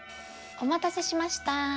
お待たせしました。